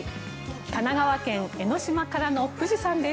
神奈川県・江の島からの富士山です。